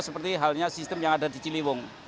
seperti halnya sistem yang ada di ciliwung